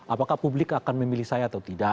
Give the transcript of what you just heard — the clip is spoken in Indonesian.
apakah publik akan memilih saya atau tidak